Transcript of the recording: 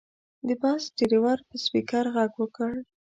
د بس ډریور په سپیکر کې غږ وکړ.